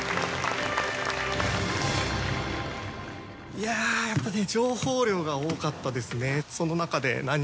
いややっぱね。